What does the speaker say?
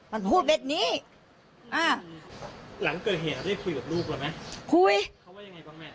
มันพูดแบบนี้อ่าหลังเกิดเหตุได้คุยกับลูกเราไหมคุยเขาว่ายังไงบ้างแม่